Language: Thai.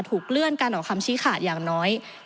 ถูกเลื่อนการออกคำชี้ขาดอย่างน้อย